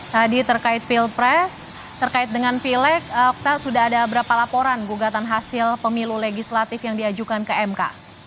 tadi terkait pilpres terkait dengan pilekta sudah ada berapa laporan gugatan hasil pemilu legislatif yang diajukan ke mk